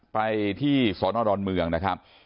ไปที่สอนอดอนเมืองนะครับ